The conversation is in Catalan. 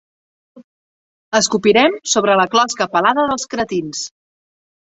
Escopirem sobre la closca pelada dels cretins.